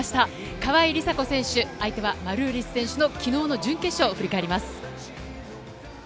川井梨紗子選手、相手はマルーリス選手とのきのうの準決勝を振り返ります。